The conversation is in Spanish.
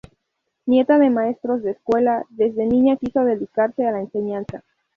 Nieta de maestros de escuela, desde niña quiso dedicarse a la enseñanza.